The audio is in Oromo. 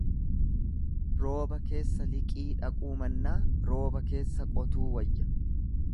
Rooba keessa liqii dhaquu mannaa rooba keessa qotuu wayya.